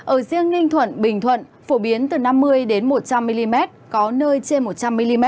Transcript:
ở riêng ninh thuận bình thuận phổ biến từ năm mươi một trăm linh mm có nơi trên một trăm linh mm